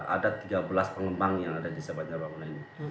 ada tiga belas pengembang yang ada di desa banjar bangunan ini